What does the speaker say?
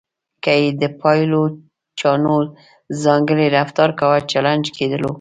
که یې د پایلوچانو ځانګړی رفتار کاوه چلنج کېدلو.